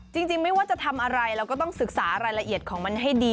จริงไม่ว่าจะทำอะไรเราก็ต้องศึกษารายละเอียดของมันให้ดี